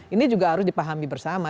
ini juga harus dipahami bersama